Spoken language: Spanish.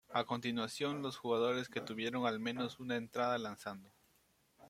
A continuación los jugadores que tuvieron al menos una entrada lanzando.